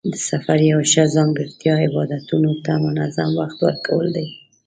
د سفر یوه ښه ځانګړتیا عباداتو ته منظم وخت ورکول دي.